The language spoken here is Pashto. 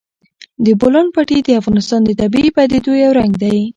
د بولان پټي د افغانستان د طبیعي پدیدو یو رنګ دی.